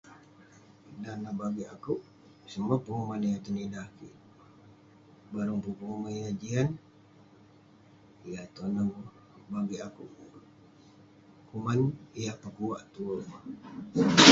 Dan neh bagik akouk, somah penguman yah tenidah kik..bareng pun penguman yah jian, yah toneng, bagik akouk..kuman yah pekuak tuwerk